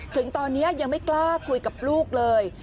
ถึงตอนนี้ยังไม่กล้าคุยกับลูกเลย